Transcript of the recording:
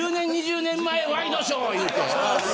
１０年、２０年前ワイドショーいうて。